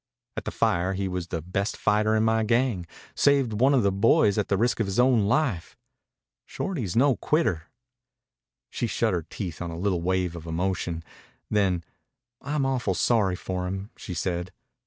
"At the fire he was the best fighter in my gang saved one of the boys at the risk of his own life. Shorty's no quitter." She shut her teeth on a little wave of emotion. Then, "I'm awful sorry for him," she said.